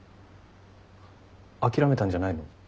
諦めたんじゃないの？